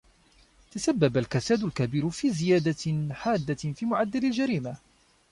تسبّب الكساد الكبير في زيادة حادّة في معدّل الجريمة.